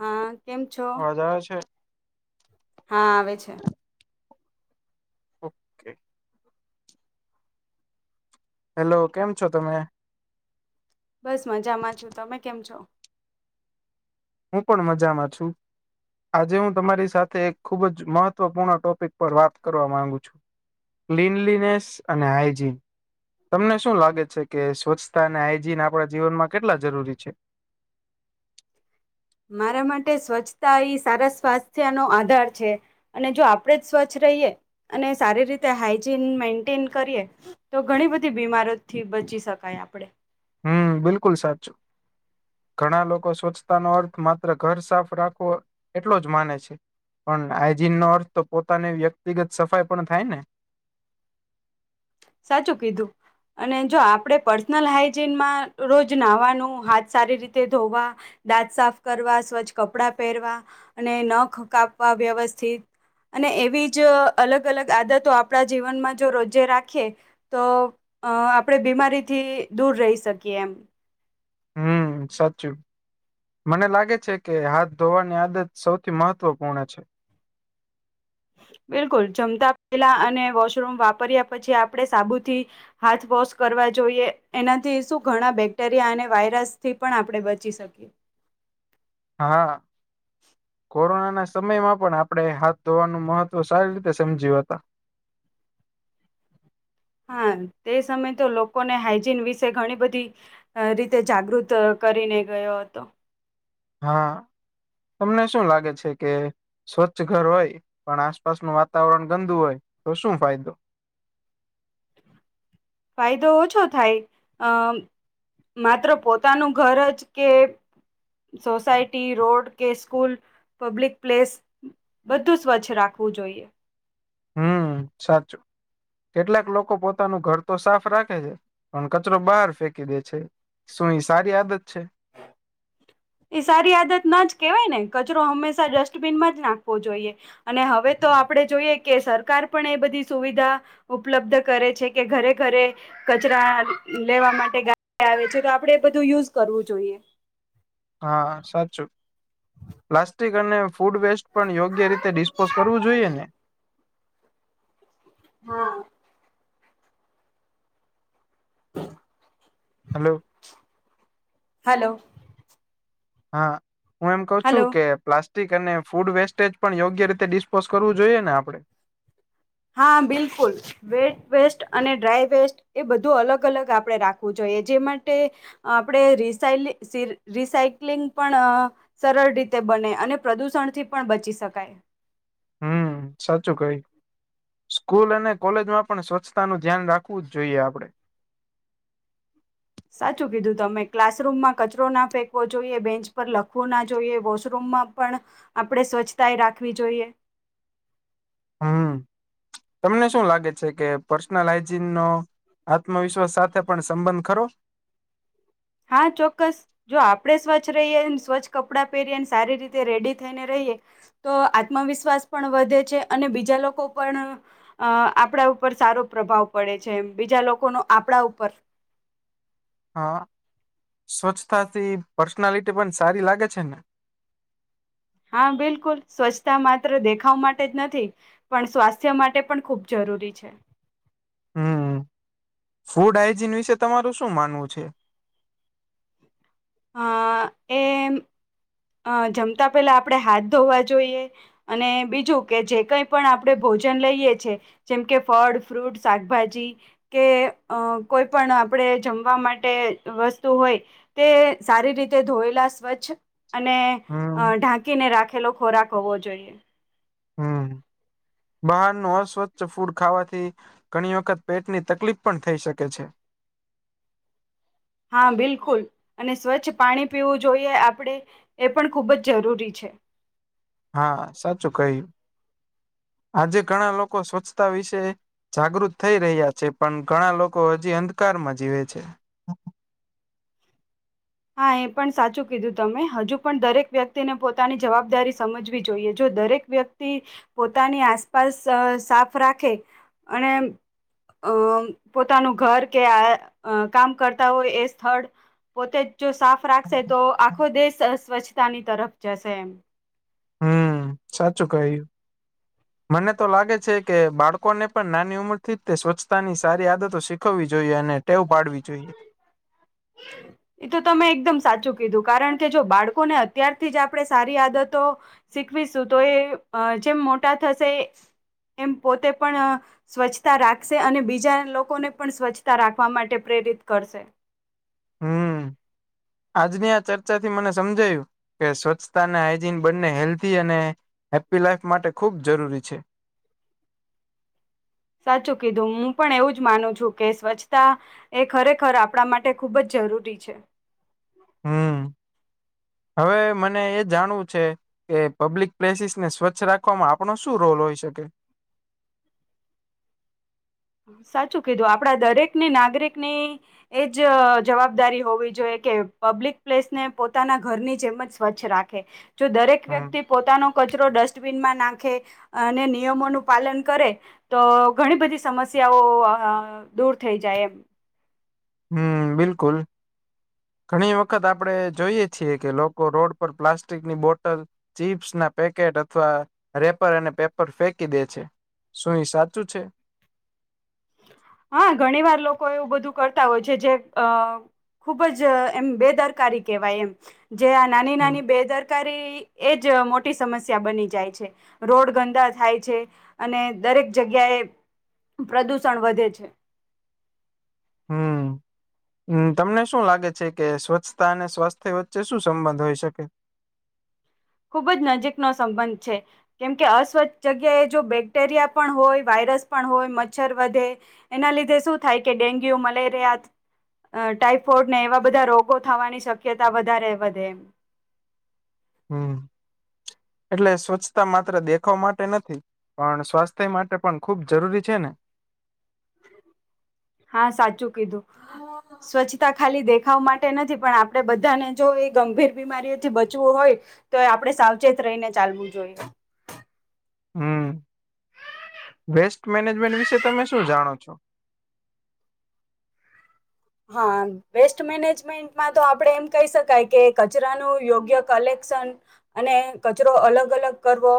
હા કેમ છો અવાજ આવે છે? હા આવે છે. ઓકે હેલો કેમ છો તમે? બસ મજામાં છું. તમે કેમ છો? હું પણ મજામાં છું. આજે હું તમારી સાથે એક ખુબ જ મહત્વપૂર્ણ ટોપિક પર વાત કરવા માંગુ છું. ક્લીનલીનેસ અને હાઈજીન. તમને શું લાગે છે કે સ્વચ્છતા અને હાઈજીન આપણા જીવનમાં કેટલા જરૂરી છે? મારા માટે સ્વચ્છતા ઈ સારા સ્વાસ્થ્યનો આધાર છે. અને જો આપણેે જ સ્વચ્છ રહીએ અને સારી રીતે હાઈજીન મેન્ટેન કરીએ તો ઘણી બધી બીમારોથી બચી શકાય આપડે હમ બિલકુલ સાચું. ઘણા લોકો સ્વચ્છતાનો અર્થ માત્ર ઘર સાફ રાખવો એટલો જ માને છે. પન હાઈજીનનો અર્થ તો પોતાની વ્યક્તિગત સફાઈ પણ થાય ને? સાચું કીધું. અને જો આપણે પર્સનલ હાઈજીનમાં રોજ નાવાનું, હાથ સારી રીતે ધોવા. દાંત સાફ કરવા સ્વચ્છ કપડાં પહેરવા અને નખ કાપવા વ્યવસ્થિત અને એવી જ અલગ અલગ આદતો આપણા જીવનમાં જો રોજે રા ખીએ તો આપણે બીમારીથી દૂર રહી શકીએ એમ હમ સાચું મને લાગે છે, કે હાથ ધોવાની આદત સૌથી મહત્વપૂર્ણ છે. બિલકુલ જમતા પેલા અને વોશરૂમ વાપર્યા પછી આપણે સાબુથી હાથ વોશ કરવા જોઈએ એનાથી શું ઘણા બેક્ટેરિયા અને વાયરસથી પણ આપણે બચી શકીએ હા. કોરોનાના સમયમાં પણ આપણે હાથ ધોવાનું મહત્વ સારી રીતે સમજ્યું હતા હા તે સમયે તો લોકોને હાઈજીન વિશે ઘણી બધી રીતે જાગૃત કરીને ગયો હતો. હા તમને શું લાગે છે, કે? સ્વચ્છ ઘર હોય પણ આસપાસ નું વાતાવરણ ગંદુ હોય તો શું ફાયદો? ફાયદો ઓછો થાય અ માત્ર પોતાનું ઘર જ કે સોસાયટી રોડ કે સ્કૂલ પબ્લિક પ્લેસ બધું સ્વચ્છ રાખવું જોઈએ. હમ સાચું કેટલાક લોકો પોતાનું ઘર તો સાફ રાખે છે, પણ કચરો બહાર ફેંકી દે છે. સુુંઈ સારી આયાદત છે. એ સારી આદત ના જ કેહેવાય ને કચરો હંમેશા ડસ્ટબિનમાં જ નાખવો જોઈએ અને હવે તો આપડે જોઈએ કે સરકાર પણ એ બધી સુવિધા ઉપલબ્ધ કરે છે, કે ઘરે ઘરે કચરા લેવા માટે ગા આવે છે, તો આપડે એ બધું યુઝ કરવું જોઈએ હા સાચું પ્લાસ્ટિક અને ફૂડ વેસ્ટ પણ યોગ્ય રીતે ડિસ્પોઝ કરવું જોઈએ ને હા. હ હાલો. હાલો. હા હું એમ કઉ છું હલો કે પ્લા ટીક અને ફૂડ વેસ્ટેજ પણ યોગ્ય રીતે ડિસ્પોઝ કરવું જોઈએ ને આપણે હા બિલકુલ વેટ વેસ્ટ અને ડ્રાય વેસ્ટ એ બધું અલગ અલગ આપડે રાખવું જોઈએ જે માટે આપણે રિસાયલી રિસાયક્લિંગ પણ સરળ રીતે બને અને પ્રદુષણથી પણ બચી શકાય હમ સાચું કહ્યુ સ્કૂલ અને કોલેજમાં પણ સ્વચ્છતાનું ધ્યાન રાખવું જ જોઈએ આપડે સાચું કીધું તમે ક્લાસરૂમમાં કચરો ના ફેંકવો જોઈએ બેન્ચ પર લખવું ના જોઈએ વોશ રૂમમાં પણ આપણે સ્વચ્છતાએ રાખવી જોઈએ હમ તમને શું લાગે છે, કે પર્સનલાઇઝીગ નો આત્મવિશ્વાસ સાથે પણ સંબંધ ખરો? હા ચોક્કસ જો આપણેે સ્વચ્છ રહીએને સ્વચ્છ કપડાં પહેરીએને સારી રીતે રેડી થઈને રહીએ તો આત્મવિશ્વાસ પણ વધે છે અને બીજા લોકો પણ અ આપણા ઉપર સારો પ્રભાવ પડે છે, બીજા લોકોનો આપણા ઉપર હા. સ્વચ્છતાથી પર્સનાલિટી પણ સારી લાગે છે, ને હા બિલકુલ સ્વચ્છતા માત્ર દેખાવ માટે જ નથી પણ સ્વાસ્થ્ય માટે પણ ખૂબ જરૂરી છે. હમ્મ ફૂડ હાઈજીન વિશે તમારું શું માનવું છે. હા એમ અ જમતા પેલા આપડણે હાથ ધોવા જોઈએ અને બીજું કે જે કઈ પણ આપણે ભોજન લઈએ છે. જેમ કે ફળ ફ્રૂટ શાકભાજી કે કોઈ પણ આપણે જમવા માટે વસ્તુ હોય તે સારી રીતે ધોયેલા સ્વચ્છ અને હમ ઢાંકીને રાખેલો ખોરાક હોવો જોઈએ હમ બહારનું અસ્વચ્છ ફૂડ ખાવાથી ઘણી વખત પેટની તકલીફ પણ થઈ શકે છે. હા બિલકુલ અને સ્વચ્છ પાણી પીવું જોઈએ આપણે એ પણ ખૂબ જ જરૂરી છે. હા સાચું કહ્યું આજે ઘણા લોકો સ્વચ્છતા વિશેય જાગૃત થઈ રહ્યા છે પણ ઘણા લોકો હજી અંધકારમાં જીવે છે. હા એ પણ સાચું કીધું તમે હજુ પણ દરેક વ્યક્તિને પોતાની જવાબદારી સમજવી જોઈએ જો દરેક વ્યક્તિ પોતાની આસપાસ સાફ રાખે અને અ પોતાનું ઘર કે આ કામ કરતા હોય એ સ્થળ પોતે જો સાફ રાખશે તો આખો દેશ અ સ્વચ્છતાની તરફ જશે એમ હમ્મ સાચું કહ્યું હ મને તો લાગે છે કે બાળકોને પણ નાની ઉંમર થી જ તે સ્વચ્છતા ની સારી આદતો શીખવવી જોઈએ અને તેટેવું પાડવી જોઈએ એ એ તો તમે એકદમ સાચું કીધું કારણ કે જો બાળકોને અત્યારથી જ આપણે સારી આદતો શીખવીશું તો એ જેમ મોટા થશે એમ પોતે પણ સ્વચ્છતા રાખશે અને બીજા લોકોને પણ સ્વચ્છતા રાખવા માટે પ્રેરિત કરશે હમ્મ આજની આ ચર્ચા થી મને સમજાયું કે સ્વચ્છતા અને હાઈજીન બંને હેલ્ધી અને હેપ્પી લાઈફ માટે ખુબ જરૂરી છે. સાચું કીધું હું પણ એવું જ માનું છું કે સ્વચ્છતા એ ખરેખર આપણા માટે ખુબ જ જરૂરી છે. હમ્મ હવે મને એ જાણવું છે કે પબ્લિક પ્લેસીસ ને સ્વચ્છ રાખવાવામાં આપણો શું રોલ હોઈ શકે સાચું કીધું આપડા દરેક ને નાગરિક ને એજ જવાબદારી હોવી જોઈએ કે પબ્લિક પ્લેસ ને પોતાના ઘરની જેમ જ સ્વચ્છ રાખે જો દરેક હમ વ્યક્તિ પોતાનો કચરો ડસ્ટબિનમાં નાખે અને નિયમોનું પાલન કરે તો ઘણી બધી સમસ્યાઓ અ દૂર થઈ જાય એમ હમ્મ બિલકુલ ઘણી વખત આપડે જોઈએ છીએ કે લોકો રોડ પર પ્લાસ્ટિકની બોટલ ચીપ્સ ના પેકેટ અથવા રેપર અને પેપર ફેંકી દે છે. શું એ સાચું છે? હા ઘણી વાર લોકો એવું બધું કરતા હોય છે જે અ ખુબ જ એમ બેદરકારી કહેવાય એમ જે આ નાની હમ નાની બેદર સરકારી એજ મોટી સમસ્યા બની જાય છે રોડ ગંદા થાય છે. અને દરેક જગ્યાએ પ્રદુષણ વધે છે. હમ. હમ તમને શું લાગે છે કે સ્વચ્છતા અને સ્વાસ્થ્ય વચ્ચે શું સંબંધ હોઈ શકે. ખુબ જ નજીકનો સંબંધ છે. કેમકે અસ્વચ્છ જગ્યાએ જો બેક્ટેરિયા પણ હોય વાયરસ પણ હોય મચ્છર વધે એના લીધે શું થાય કે ડેન્ગ્યુ મલેરિયા અ ટાઈફોઇડ ને એવા બધા રોગો થવાની શક્યતા વધારે વધે એમ હમ, એટલે સ્વચ્છતા માત્ર દેખાવ માટે નથી. પણ સ્વાસ્થ્ય માટે પણ ખુબ જરૂરી છે ને. હા સાચું કીધું. સ્વચ્છતા ખાલી દેખાવ માટે નથી પણ આપડે બધાને જો એ ગંભીર બીમારીઓથી બચવું હોય. તો એ આપડણે સાવચેત રહીને ચાલવું જોઈએ. હમ, બેસ્ટ મેનેજમેન્ટ વિશે તમે શું જાણો છો? હા વેસ્ટ મેનેજમેન્ટ તો આપડે એમ કહી શકાય કે કચરાનું યોગ્ય કલેક્શન અને કચરો અલગ અલગ કરવો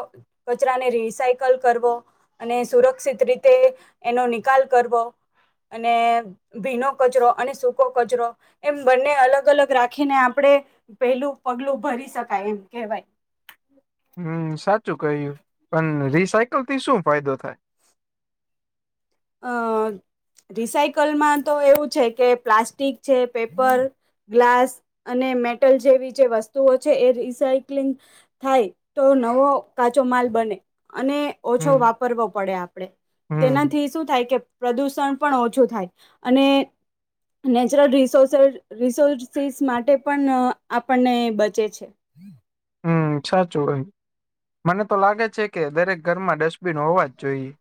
કચરાને રિસાયકલ કરવો. અને સુરક્ષિત રીતે એનો નિકાલ કરવો, અને ભીનો કચરો અને સૂકો કચરો, એમ બંને અલગ અલગ રાખીને આપણે પેલું પગલું ભરી શકાય એમ કેવાય. હમ સાચું કહ્યું, પણ હમ. રિસાયકલ થી શું ફાયદો થાય? અ રિસાયકલમાં તો એવું છે કે પ્લાસ્ટિક છે પેપર ગ્લાસ અને મેટલ જેવી જે વસ્તુઓ છે એ રિસાયક્લિંગ. થાય તો નવો કાચો માલ બને અને ઓછો હમ વાપરવો પડે આપણેે, હમ તેનાથી શું થાય કે પ્રદુષણ પણ ઓછું થાય, અને નેચરલ રિસોર્સે રિસોર્સસ માટે પણ આપણને બચે છે. હમ સાચું, હોય મને તો લાગે છે કે દરેક ઘરમાં ડસ્ટબીન હોવા જ જોઈએ.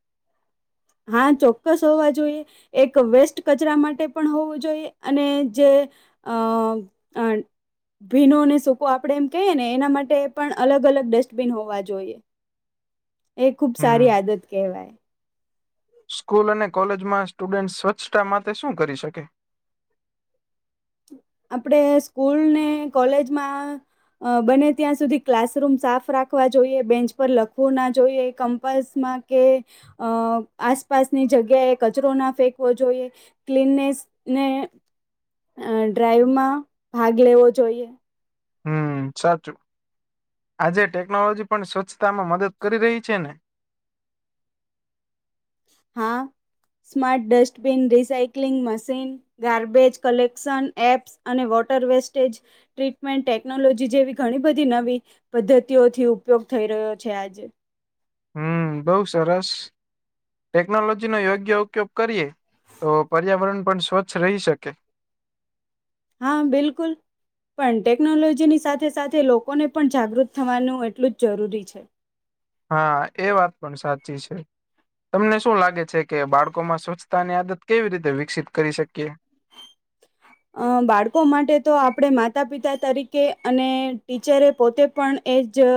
હા ચોક્કસ હોવા જોઈએ. એક વેસ્ટ કચરા માટે પણ હોવું જોઈએ અને જે અ અ ભીનો ને સૂકો આપડે એમ કહીએ ને એના માટે પણ અલગ અલગ ડસ્ટબીન હોવા જોઈએ. એ ખુબ હમ સારી આદત કહેવાય. સ્કૂલ અને કોલેજમાં સ્ટુડન્ટ સ્વચ્છતા માટે શું કરી શકે? આપણેે સ્કૂલ ને કોલેજમાં અ બને ત્યાં સુધી ક્લાસરૂમ સાફ રાખવા જોઈએ બેન્ચ પર લખવું ના જોઈએ કમ્પસમાં કે, અ આસપાસની જગ્યાએ કચરો ના ફેંકવો જોઈએ. ક્લીનનેસ ને ડ્રાઈવ માં ભાગ લેવો જોઈએ. હમ સાચું, આજે ટેકનોલોજી પણ સ્વચ્છતામાં મદદ કરી રહી છે ને. હા smart dustbin recycling machine. Garbage collection apps અને વોટર વેસ્ટેજ. ટ્રીટમેન્ટ ટેકનોલોજી જેવી ઘણી બધી નવી પદ્ધતિઓથી ઉપયોગ થઈ રહ્યો છે આજે. હમ બઉ સરસ. ટેકનોલોજી નો યોગ્ય ઉપયોગ કરીએ, તો પર્યાવરણ પણ સ્વચ્છ રહી શકે. હા બિલકુલ. પણ ટેકનોલોજીની સાથે સાથે લોકોને પણ જાગૃત થવાનું એટલું જ જરૂરી છે. હા એ વાત પણ સાચી છે. તમને શું લાગે છે કે બાળકોમાં સ્વચ્છતા ની આદત કેવી રીતે વિકસિત કરી શકીએ? બાળકો માટે તો આપણે માતા પિતા તરીકે અને ટીચરે પોતે પણ એ જ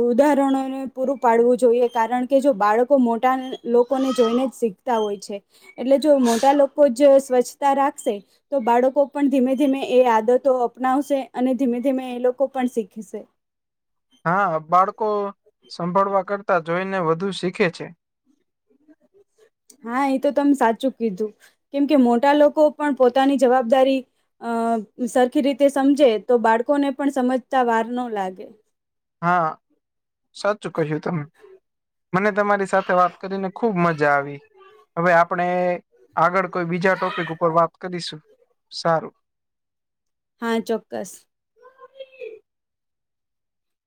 ઉદાહરણોને પૂરું પાડવું જોઈએ કારણ કે જો બાળકો મોટા લોકોને જોઈને જ શીખ્. હોય છે એટલે જો મોટા લોકો જ સ્વચ્છતા રાખશે તો બાળકો પણ ધીમે ધીમે એ આદતો અપનાવશે અને ધીમે ધીમે એ લોકો પણ શીખશે. હા બાળકો સંભળવા કરતા, જોઈને વધુ શીખે છે. હા એ તો તમે સાચું કીધું, કેમ કે મોટા લોકો પણ પોતાની જવાબદારી અ સરખી રીતે સમજે તો બાળકોને પણ સમજતા વાર ન લાગે. હા સાચું કહ્યું તમે. મને તમારી સાથે વાત કરીને ખુબ મજા આવી, હવે આપણે આગળ કોઈ બીજા ટોપિક ઉપર વાત કરીશું. સારું. હા ચોક્કસ.